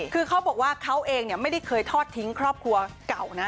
คือเขาบอกว่าเขาเองไม่ได้เคยทอดทิ้งครอบครัวเก่านะ